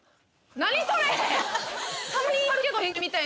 何それ！？